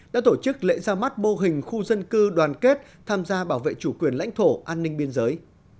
đã tổ chức lễ ra mắt mô hình khu dân cư đoàn kết tham gia bảo vệ chủ quyền lãnh thổ an ninh biên giới